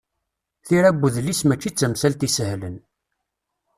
Tira n udlis mačči d tamsalt isehlen.